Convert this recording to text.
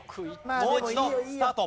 もう一度スタート。